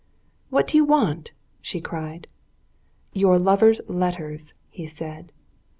"What do you want?" she cried. "Your lover's letters," he said.